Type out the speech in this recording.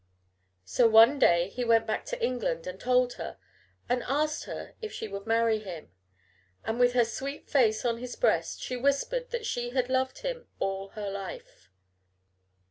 So one day he went back to England and told her, and asked her if she would marry him. And with her sweet face on his breast she whispered that she had loved him all her life!